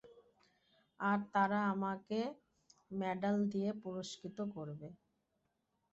আর তারা আমাকে মেডাল দিয়ে পুরষ্কৃত করবে।